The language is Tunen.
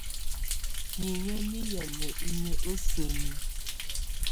Niinyǝ́ nɛ yamɛ̀á inyǝ́ á sǝni.